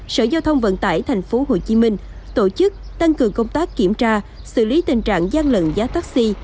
sở giao thông vận tải thành phố hồ chí minh tổ chức tăng cường công tác kiểm tra xử lý tình trạng gian lận giá taxi